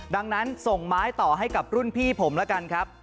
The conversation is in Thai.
ดังนั้นส่งไม้ต่อให้กับรุ่นพี่ผมแล้วกันครับ